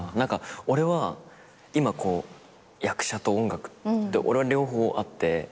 俺は今役者と音楽って両方あって。